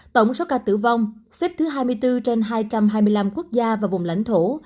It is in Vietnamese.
tổng số ca tử vong xếp thứ hai mươi bốn trên hai trăm hai mươi năm quốc gia và vùng lãnh thổ